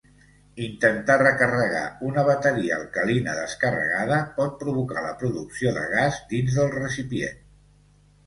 Intentar recarregar una bateria alcalina descarregada pot provocar la producció de gas dins del recipient.